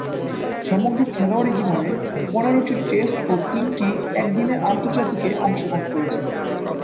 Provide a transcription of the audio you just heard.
সমগ্র খেলোয়াড়ী জীবনে পনেরোটি টেস্ট ও তিনটি একদিনের আন্তর্জাতিকে অংশগ্রহণ করেছেন।